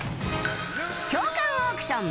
共感オークション